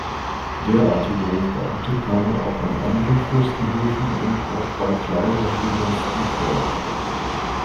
Derartige Hofbeamte kamen auch an anderen Fürstenhöfen und auch bei kleineren Dynasten vor.